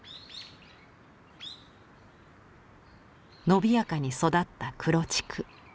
伸びやかに育った黒竹。